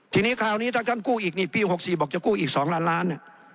ทีนี้คราวนี้ถ้าท่านกู้อีกนี่ปี๖๔บอกจะกู้อีก๒ล้านล้าน